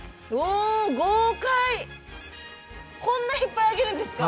こんないっぱいあげるんですか？